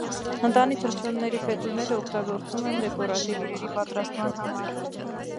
Ընտանի թռչունների փետուրները օգտագործում են դեկորատիվ իրերի պատրաստման համար։